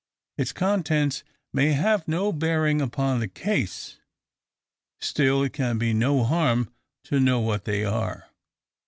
Its contents may have no bearing upon the case. Still it can be no harm to know what they are.